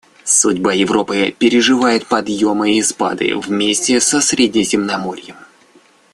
Судьбы Европы переживают подъемы и спады вместе со Средиземноморьем.